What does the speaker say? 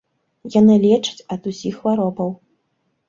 Яны лечаць ад усіх хваробаў!